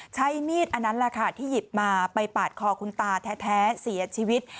ใช้มีดอันนั้นแหละค่ะที่หยิบมาไปปาดคอคุณตาแท้เสียชีวิต